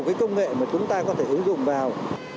cái công nghệ mà chúng ta có thể ứng dụng vào